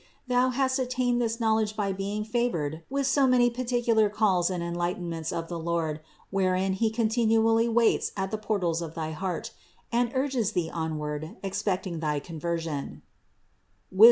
Thou hast attained this knowledge by be ing favored with so many particular calls and enlighten ments of the Lord, wherein He continually waits at the portals of thy heart, and urges thee onward expecting thy conversion (Wis.